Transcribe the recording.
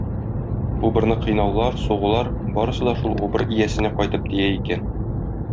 Убырны кыйнаулар, сугулар барысы да шул убыр иясенә кайтып тия икән.